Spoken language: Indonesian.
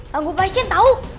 tangguh pasien tau